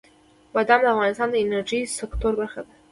بادام د افغانستان د انرژۍ سکتور برخه ده.